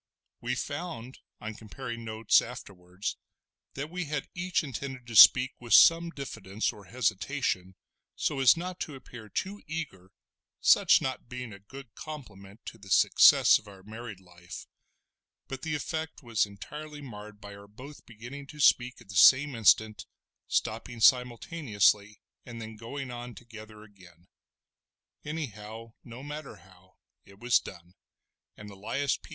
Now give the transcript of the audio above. We found, on comparing notes afterwards, that we had each intended to speak with some diffidence or hesitation so as not to appear too eager, such not being a good compliment to the success of our married life; but the effect was entirely marred by our both beginning to speak at the same instant—stopping simultaneously and then going on together again. Anyhow, no matter how, it was done; and Elias P.